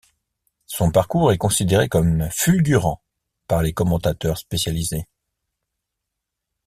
Son parcours est considéré comme fulgurant par les commentateurs spécialisés.